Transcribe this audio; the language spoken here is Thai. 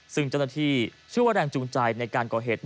ซึ่งเจ้าหน้าที่เชื่อว่าแรงจูงใจในการก่อเหตุ